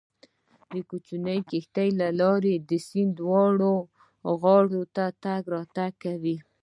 کوچنۍ کښتۍ له لارې د سیند دواړو غاړو ته تګ راتګ کوي